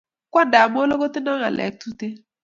Kwandab molo kotindo ngalek tuten